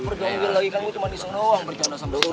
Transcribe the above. berbicara sama bang oki